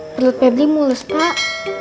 perut pebli mulus pak